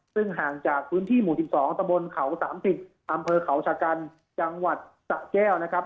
ซึ่งห่างจากพื้นที่หมู่๑๒ตะบนเขา๓๐อำเภอเขาชะกันจังหวัดสะแก้วนะครับ